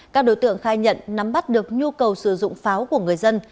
các đối tượng khai nhận nắm bắt được nhu cầu sử dụng pháo của người dân